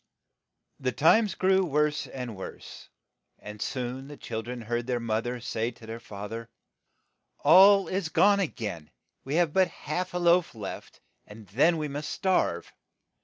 The times grew wdTse and worse, and soon the chil dren heard their moth er say to their fa ther, "All is gone a gain. We have but half a loaf left, and then we must starve.